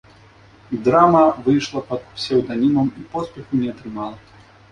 Драма выйшла пад псеўданімам і поспеху не атрымала.